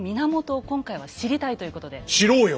知ろうよ。